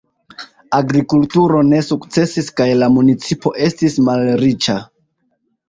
Agrikulturo ne sukcesis kaj la municipo estis malriĉa.